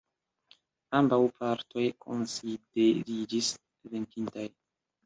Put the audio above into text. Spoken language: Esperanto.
Ambaŭ partoj konsideriĝis venkintaj.